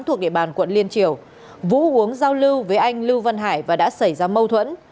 thuộc địa bàn quận liên triều vũ giao lưu với anh lưu văn hải và đã xảy ra mâu thuẫn